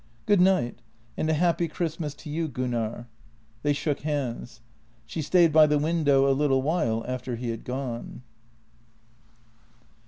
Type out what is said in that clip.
" Good night, and a happy Christmas to you, Gunnar." They shook hands. She stayed by the window a little while after he had gone.